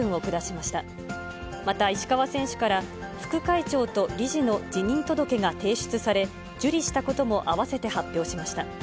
また石川選手から、副会長と理事の辞任届が提出され、受理したことも併せて発表しました。